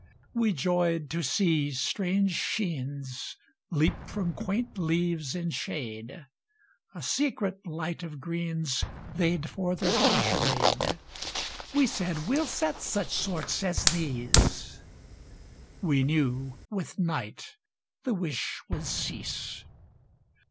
We joyed to see strange sheens Leap from quaint leaves in shade; A secret light of greens They'd for their pleasure made. We said: "We'll set such sorts as these!" —We knew with night the wish would cease.